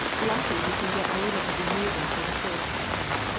Likely you can get a little of your neighbor for the first.